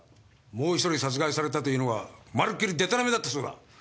もう１人殺害されたというのは丸っきりデタラメだったそうだ。